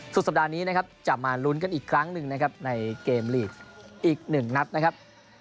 สถานีนะครับจะมารุนกันอีกครั้งหนึ่งนะครับในเกมลียดอีก๑นักนะครับ